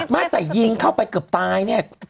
ไม่แต่ยิงเข้าไปเกือบตายเนี่ย